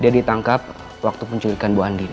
dia ditangkap waktu mencurigakan bu andin